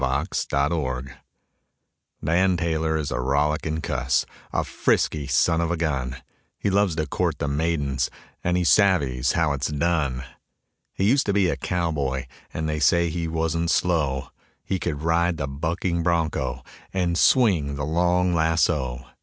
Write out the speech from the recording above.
DAN TAYLOR Dan Taylor is a rollicking cuss, A frisky son of a gun, He loves to court the maidens And he savies how it's done. He used to be a cowboy And they say he wasn't slow, He could ride the bucking bronco And swing the long lasso.